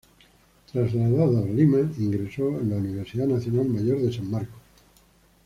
Trasladado a Lima, ingresó a la Universidad Nacional Mayor de San Marcos.